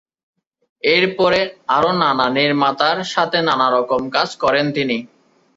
এরপরে আরো নানা নির্মাতার সাথে নানারকম কাজ করেন তিনি।